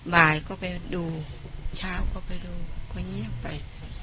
บ่ายก็ไปดูช้าก็ไปดูก็เงียบไป